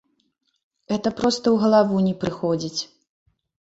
Гэта проста ў галаву не прыходзіць.